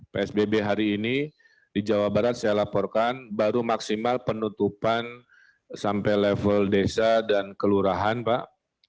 psbb hari ini di jawa barat saya laporkan baru maksimal penutupan sampai level desa dan kelurahan pak